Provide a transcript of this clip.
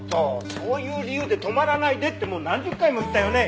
そういう理由で泊まらないでってもう何十回も言ったよね？